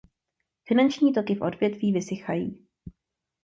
Finanční toky v odvětví vysychají.